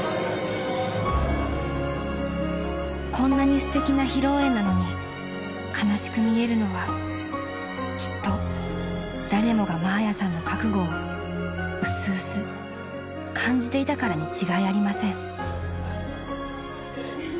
［こんなにすてきな披露宴なのに悲しく見えるのはきっと誰もがマーヤさんの覚悟をうすうす感じていたからに違いありません］